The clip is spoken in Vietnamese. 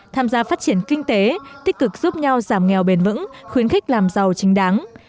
tham gia phát triển kinh tế tích cực giúp nhau giảm nghèo bền vững khuyến khích làm giàu chính đáng